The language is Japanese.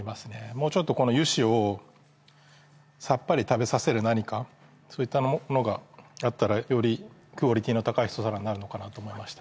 もうちょっとこの油脂をさっぱり食べさせる何かそういったものがあったらよりクオリティーの高いひと皿になるのかなと思いました